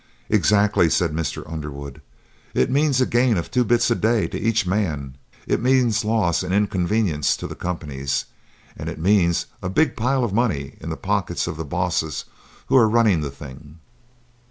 "Exactly," said Mr. Underwood. "It means a gain of two bits a day to each man; it means loss and inconvenience to the companies, and it means a big pile of money in the pockets of the bosses who are running the thing."